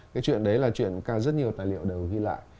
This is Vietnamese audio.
cái chuyện đấy là chuyện càng rất nhiều tài liệu đều ghi lại